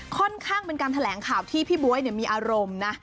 ค่อนข้างเป็นการแถลงข่าวที่พี่บ๊วยมีอารมณ์นะ